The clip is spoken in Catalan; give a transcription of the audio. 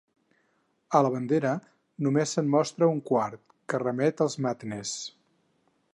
A la bandera només se'n mostra un quart, que remet als Mathenesse.